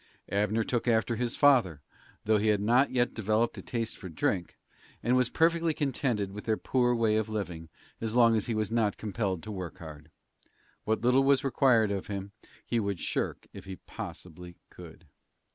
Abner took after his father, though he had not yet developed a taste for drink, and was perfectly contented with their poor way of living, as long as he was not compelled to work hard. What little was required of him he would shirk if he possibly could.